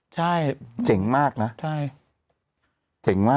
ใช่เห็นมากนะ